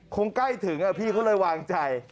คงใกล้ถึงพี่เขาเลยวางใจ